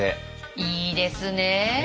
いいですねえ。